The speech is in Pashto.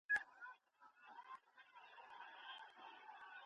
که بریښنالیک ژر رسیږي خو د لاس خط اوږده اغیزه لري.